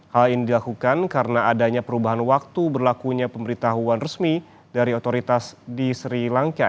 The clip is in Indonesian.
hal ini dilakukan karena adanya perubahan waktu berlakunya pemberitahuan resmi dari otoritas di sri lanka